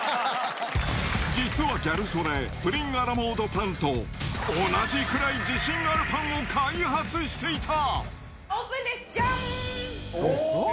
実はギャル曽根、プリンアラモードパンと、同じくらい自信があるパンを開発していオープンです。じゃん！